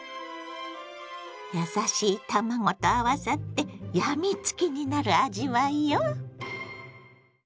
優しい卵と合わさって病みつきになる味わいよ。